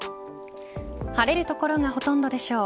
晴れる所がほとんどでしょう。